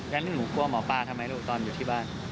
แล้วนี่หนูกลัวหมอปลาทำไมลูกตอนอยู่ที่บ้าน